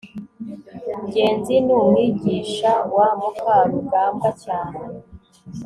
ngenzi ni umwigisha wa mukarugambwa cyane